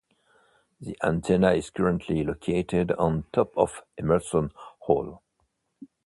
The antenna is currently located on top of Emerson Hall.